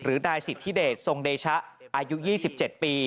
นายสิทธิเดชทรงเดชะอายุ๒๗ปี